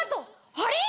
あれ？